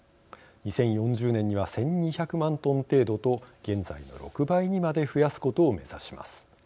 ２０４０年には１２００万トン程度と現在の６倍にまで増やすことを目指します。